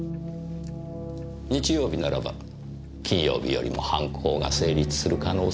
日曜日ならば金曜日よりも犯行が成立する可能性が高い。